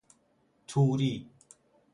توری